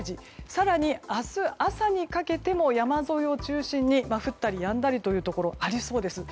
更に明日朝にかけても山沿いを中心に降ったりやんだりというところがありそうです。